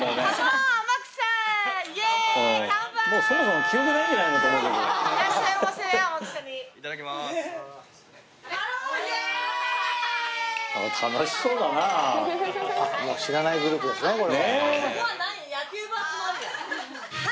もう知らないグループでしょこれは。